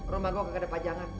rumah gue gak ada pajangan